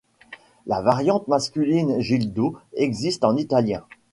La variante masculine Gildo existe en italien.